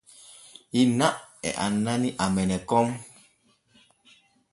Inna e annani amene kon.